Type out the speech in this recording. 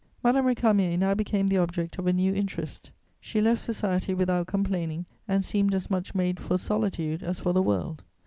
Madame Récamier now became the object of a new interest: she left society without complaining and seemed as much made for solitude as for the world.